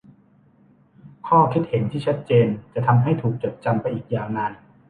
ข้อคิดเห็นที่ชัดเจนจะทำให้ถูกจดจำไปอีกยาวนาน